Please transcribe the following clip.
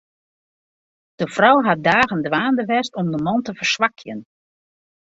De frou hat dagen dwaande west om de man te ferswakjen.